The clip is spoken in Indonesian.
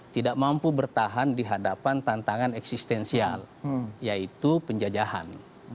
tidak mampu bertahan di hadapan tantangan eksistensial yaitu penjajahan